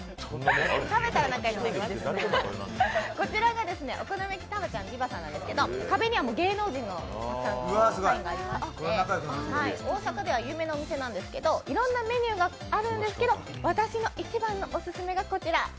こちらがお好みたまちゃんｖｉｖａ！さんなんですけど壁には芸能人さんのサインがいっぱいありまして大阪では有名なお店なんですけれども、いろんなメニューがあるんですけれども、私の一番のオススメがこちら。